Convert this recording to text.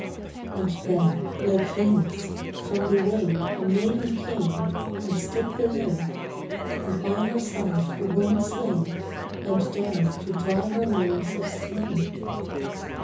And then, like Venus, from the wave A maiden came, and stood below; And by her side a woman slave Bent down to dry her limbs of snow.